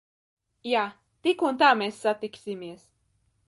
Jā. Tik un tā mēs satiksimies.